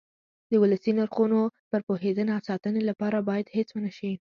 د ولسي نرخونو پر پوهېدنه او ساتنې لپاره باید هڅې وشي.